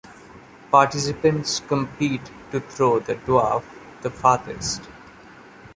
Participants compete to throw the dwarf the farthest.